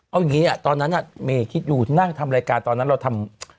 เอาอย่างงี้อ่ะตอนนั้นอ่ะเมฆิตอยู่นั่งทำรายการตอนนั้นเราทำ